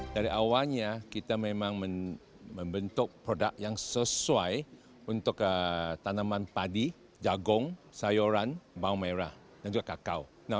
dari awalnya kita memang membentuk produk yang sesuai untuk tanaman padi jagung sayuran bawang merah dan juga kakao